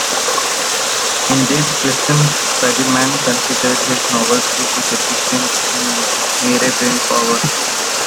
Indeed, Clifton Fadiman considered his novels to be deficient in mere brain-power.